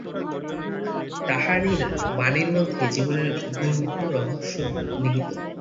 তাঁহার এই বাণীর মধ্যেই জীবনের গূঢ় রহস্য নিহিত।